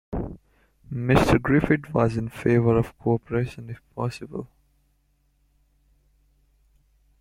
Mr. Griffith was in favour of cooperation if possible.